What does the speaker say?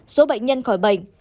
một số bệnh nhân khỏi bệnh